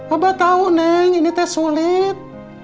abah tahu neng ini teh sulit